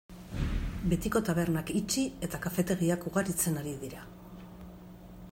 Betiko tabernak itxi eta kafetegiak ugaritzen ari dira.